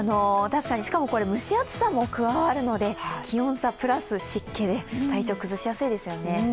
しかも、蒸し暑さも加わるので気温差プラス湿気で体調を崩しやすいですよね。